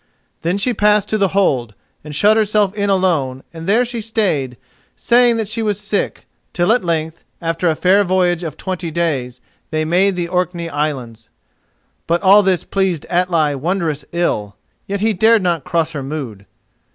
Then she passed to the hold, and shut herself in alone, and there she stayed, saying that she was sick, till at length, after a fair voyage of twenty days, they made the Orkney Islands. But all this pleased Atli wondrous ill, yet he dared not cross her mood.